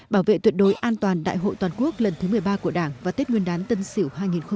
bảo vệ tuyệt đối an toàn đại hội toàn quốc lần thứ một mươi ba của đảng và tết nguyên đán tân sỉu hai nghìn hai mươi một